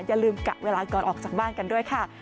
อย่าลืมกะเวลาก่อนออกจากบ้านกันด้วยค่ะ